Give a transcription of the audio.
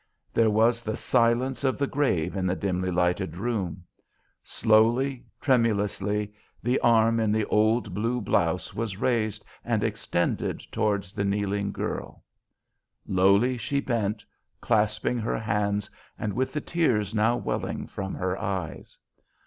There was the silence of the grave in the dimly lighted room. Slowly, tremulously the arm in the old blue blouse was raised and extended towards the kneeling girl. Lowly she bent, clasping her hands and with the tears now welling from her eyes.